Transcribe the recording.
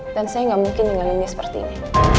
dan saya gak mungkin dengan dia seperti ini